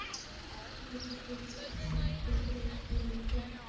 বিপ্লবী নেতা সমর্থকরা একে অভ্যুত্থান না বলে আন্দোলন বলে অবিহিত করেন।